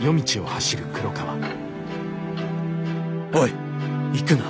「『おい行くな！